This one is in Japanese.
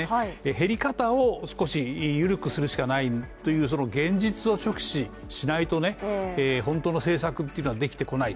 減り方を少し緩くするしかないという現実を直視しないと本当の政策っていうのはできてこない